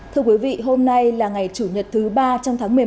thưa quý vị hôm nay là ngày chủ nhật thứ ba trong tháng một mươi một hàng năm